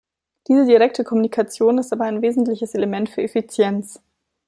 Diese direkte Kommunikation ist aber ein wesentliches Element für Effizienz.